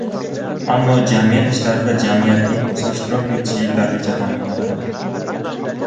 Ammo jamiyat ishlarida jamiyatning o‘zi ishtirok etishi yetarlicha ta’minlanmadi: